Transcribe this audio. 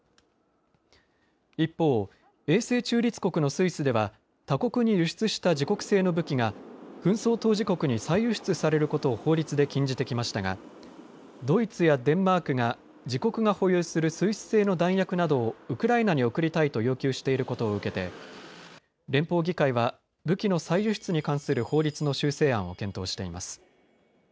一方、永世中立国のスイスでは他国に輸出した自国製の武器が紛争当事国に再輸出されることを法律で禁じてきましたがドイツやデンマークが自国が保有するスイス製の弾薬などをウクライナに送りたいと要求していることを受けて連邦議会は武器の再輸出に関する法律の修正案を検討しています。